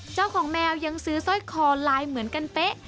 เจ้าของแมวยังซื้อซ้อยคอลายเหมือนกันเฟ๊ะ